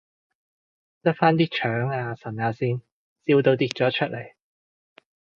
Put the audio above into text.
執返啲腸啊腎啊先，笑到跌咗出嚟